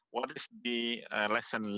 apa pelajaran yang anda pelajari